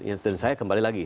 dan saya kembali lagi